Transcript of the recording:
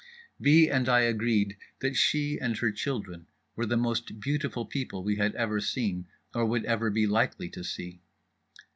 B. and I agreed that she and her children were the most beautiful people we had ever seen, or would ever be likely to see.